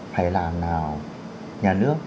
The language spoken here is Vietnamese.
phải làm nào nhà nước